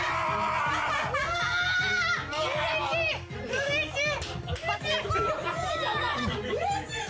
うれしい！